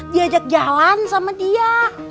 diajak jalan sama dia